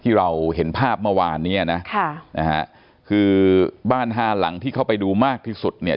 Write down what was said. ที่เราเห็นภาพเมื่อวานเนี้ยนะค่ะนะฮะคือบ้านห้าหลังที่เข้าไปดูมากที่สุดเนี่ย